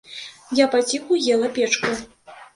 Я паціху ела печку.